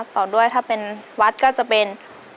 ต่อด้วยถ้าเป็นวัดก็จะเป็น